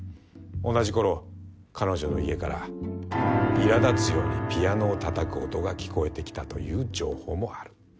同じころ彼女の家からいら立つようにピアノをたたく音が聞こえてきたという情報もある。